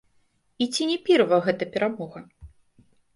І ці не пірава гэта перамога?